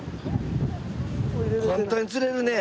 簡単に釣れるね。